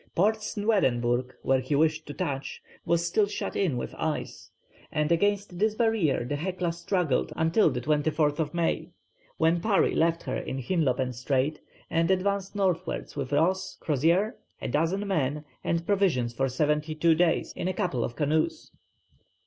Port Snweerenburg, where he wished to touch, was still shut in with ice; and against this barrier the Hecla struggled until the 24th May, when Parry left her in Hinlopen Strait, and advanced northwards with Ross, Crozier, a dozen men, and provisions for seventy two days in a couple of canoes.